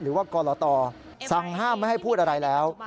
หรือว่ากรตสั่งห้ามไม่ให้พูดอะไรแล้ว